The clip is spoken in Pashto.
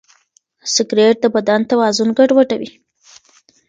سګریټ د بدن توازن ګډوډوي.